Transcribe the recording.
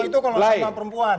itu kalau sama perempuan